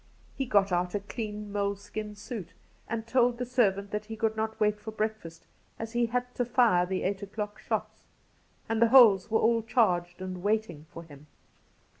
He got out a clean moleskin suit, and told the servant that he could not wait for break fast, as he had to fire the eight o'clock shots, and the holes were aU charged and waiting for him.